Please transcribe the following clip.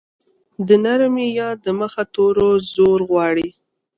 د نرمې ی د مخه توری زور غواړي.